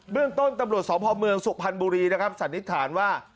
เรื่องต้นตำรวจสพเมืองสุพรรณบุรีนะครับสันนิษฐานว่า